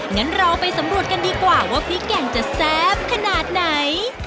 งั้นเราไปสำรวจกันดีกว่าว่าพริกแก่งจะแซ่บขนาดไหน